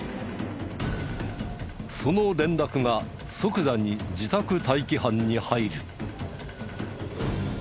その連絡が即座に自宅待機班に入る。